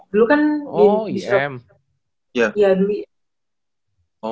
dulu kan di jokowi